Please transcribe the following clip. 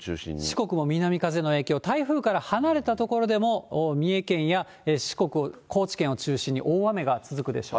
四国も南風の影響、台風から離れた所でも、三重県や四国、高知県を中心に大雨が続くでしょう。